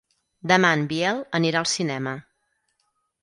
Demà en Biel anirà al cinema.